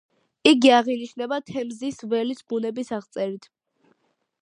იგი აღინიშნება თემზის ველის ბუნების აღწერით.